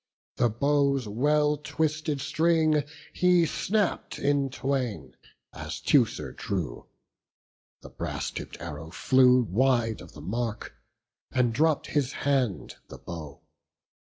The bow's well twisted string he snapp'd in twain, As Teucer drew; the brass tipp'd arrow flew Wide of the mark, and dropp'd his hand the bow.